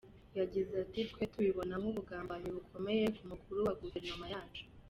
Yagize ati “Twe tubibona nk’ubugambanyi bukomeye ku mukuru wa guverinoma yacu.